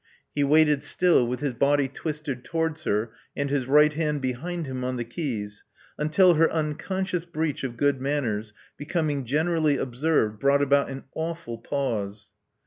He waited still, with his body twisted towards her and his right hand behind him on the keys, until ^toT unconscious breach of good manners, becoming generally observed, brought about an awful pause.